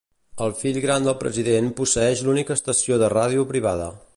El fill gran del president posseeix l'única estació de ràdio privada.